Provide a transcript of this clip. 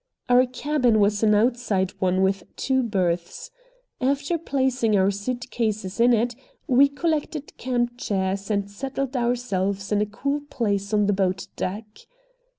Our cabin was an outside one with two berths. After placing our suit cases in it, we collected camp chairs and settled ourselves in a cool place on the boat deck.